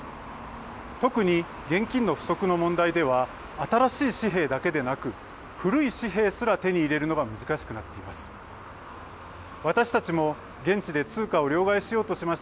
特に現金の不足の問題では新しい紙幣だけでなく古い紙幣すら手に入れるのが難しくなっています。